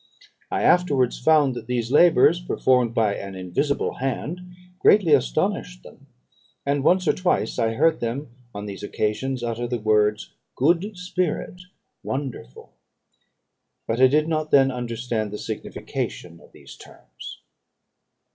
I afterwards found that these labours, performed by an invisible hand, greatly astonished them; and once or twice I heard them, on these occasions, utter the words good spirit, wonderful; but I did not then understand the signification of these terms.